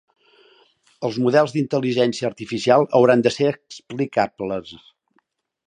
Els models de Intel·ligència Artificial hauran de ser explicables.